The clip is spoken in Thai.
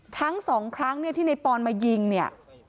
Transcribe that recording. ทั้ง๒ครั้งที่นายปอนมายิงเนี่ย